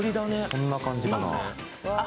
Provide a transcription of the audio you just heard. こんな感じかなあ・